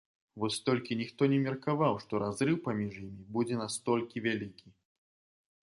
Вось толькі ніхто не меркаваў, што разрыў паміж імі будзе настолькі вялікі.